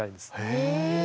へえ。